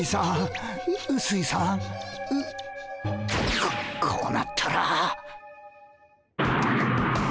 ここうなったら。